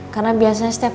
karena biasanya setiap